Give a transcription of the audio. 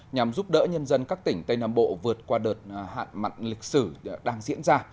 nhằm giúp đỡ nhân dân các tỉnh tây nam bộ vượt qua đợt hạn mặn lịch sử đang diễn ra